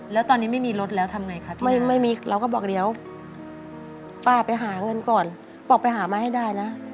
แล้วตอนนี้ไม่มีรถแล้วทำไงครับไม่มีเราก็บอกเดี๋ยวป้าไปหาเงินก่อนบอกไปหามาให้ได้นะ